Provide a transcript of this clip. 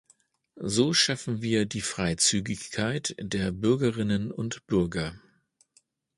So schaffen wir die Freizügigkeit der Bürgerinnen und Bürger.